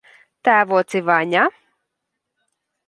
Tēvoci Vaņa!